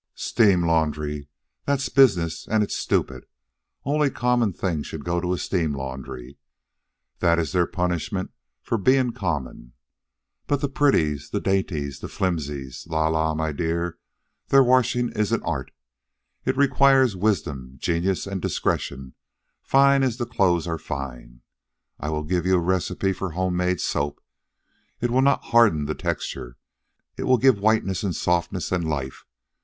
"Steam laundry. That's business, and it's stupid. Only common things should go to a steam laundry. That is their punishment for being common. But the pretties! the dainties! the flimsies! la la, my dear, their washing is an art. It requires wisdom, genius, and discretion fine as the clothes are fine. I will give you a recipe for homemade soap. It will not harden the texture. It will give whiteness, and softness, and life.